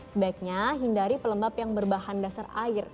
sebaiknya hindari pelembab yang berbahan dasar air